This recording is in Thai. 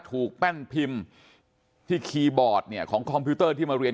แป้นพิมพ์ที่คีย์บอร์ดเนี่ยของคอมพิวเตอร์ที่มาเรียน